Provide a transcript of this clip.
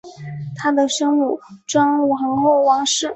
她的生母庄宪皇后王氏。